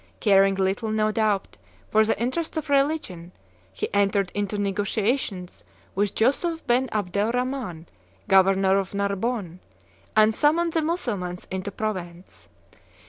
Caring little, no doubt, for the interests of religion, he entered into negotiations with Youssouf ben Abdel Rhaman, governor of Narbonne, and summoned the Mussulmans into Provence.